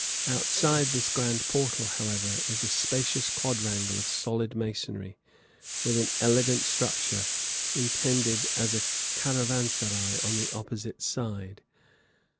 Outside this grand portal, however, is a spacious quadrangle of solid masonry, with an elegant structure, intended as a caravanserai, on the opposite side.